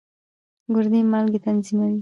ګردې مالګې تنظیموي.